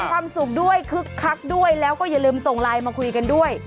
ความสุขด้วยคึกคักด้วยแล้วก็อย่าลืมส่งไลน์มาคุยกันด้วย